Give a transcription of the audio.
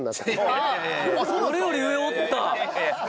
俺より上おった！